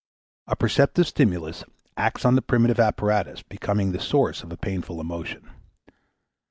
A perceptive stimulus acts on the primitive apparatus, becoming the source of a painful emotion.